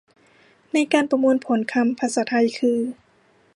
ในการประมวลผลคำภาษาไทย คือ